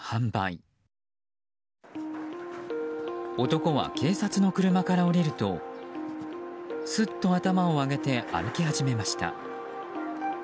男は警察の車から降りるとすっと頭を上げて歩き始めました。